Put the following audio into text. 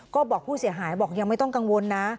ก็บอกผู้เสียหายบอกยังไม่ต้องกังวลนะ